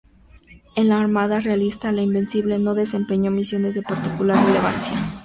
En la armada realista la "Invencible" no desempeñó misiones de particular relevancia.